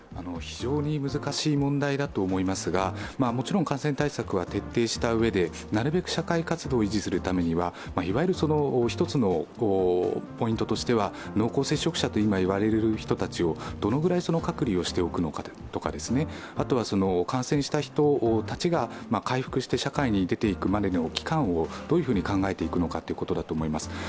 非常に難しい問題だと思いますが、もちろん感染対策は徹底した上でなるべく社会活動を維持するためには、１つのポイントとしては、濃厚接触者と言われる人たちをどのくらい隔離しておくのか、あとは感染した人たちが回復して社会に出ていくまでの期間をどういうふうに考えていくかだと思います。